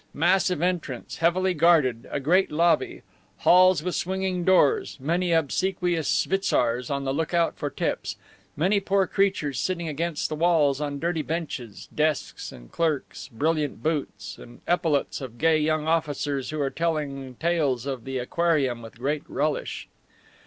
Massive entrance, heavily guarded, a great lobby, halls with swinging doors, many obsequious schwitzars on the lookout for tips, many poor creatures sitting against the walls on dirty benches, desks and clerks, brilliant boots and epaulets of gay young officers who are telling tales of the Aquarium with great relish.